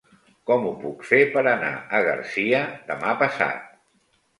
Com ho puc fer per anar a Garcia demà passat?